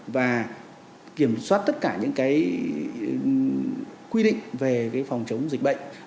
và kiểm soát tất cả những cái quy định về cái phòng chống dịch bệnh